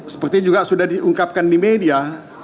seperti juga sudah diungkapkan di media